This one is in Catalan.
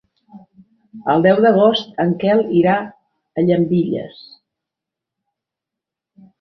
El deu d'agost en Quel irà a Llambilles.